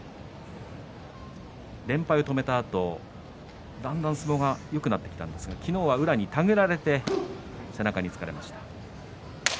連敗を止めたあと、だんだん相撲がよくなってきたんですが昨日は宇良に手繰られて背中につかれました。